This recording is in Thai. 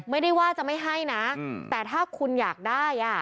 ไม่ได้ว่าจะไม่ให้นะแต่ถ้าคุณอยากได้